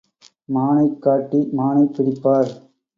மானைக் காட்டி மானைப் பிடிப்பார்.